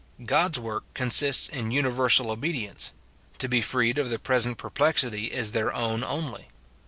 God's work con sists in universal obedience ; to be freed of the present perplexity is their own only.